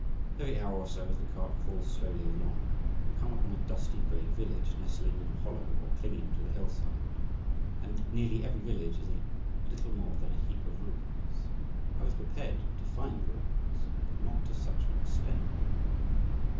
Every hour or so, as the cart crawls slowly along, you come upon a dusty gray village nestling in a hollow or clinging to the hillside. And nearly every village is a little more than a heap of ruins. I was prepared to find ruins, but not to such an extent.